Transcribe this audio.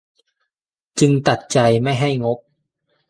จึงตัดใจไม่ให้งบ